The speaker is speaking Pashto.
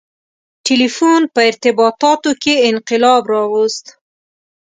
• ټیلیفون په ارتباطاتو کې انقلاب راوست.